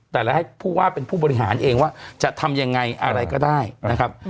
แต่ละให้ผู้ว่าเป็นผู้บริหารเองว่าจะทำยังไงอะไรก็ได้นะครับ